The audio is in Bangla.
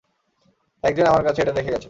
একজন আমার কাছে এটা রেখে গেছে।